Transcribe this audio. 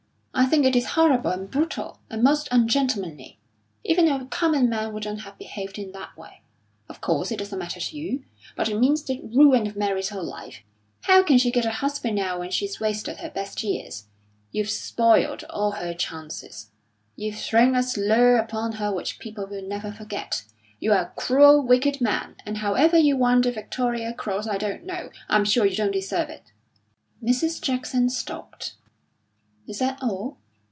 I think it is horrible, and brutal, and most ungentlemanly. Even a common man wouldn't have behaved in that way. Of course, it doesn't matter to you, but it means the ruin of Mary's whole life. How can she get a husband now when she's wasted her best years? You've spoilt all her chances. You've thrown a slur upon her which people will never forget. You're a cruel, wicked man, and however you won the Victoria Cross I don't know; I'm sure you don't deserve it." Mrs. Jackson stopped. "Is that all?"